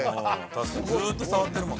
確かにずっと触ってるもん。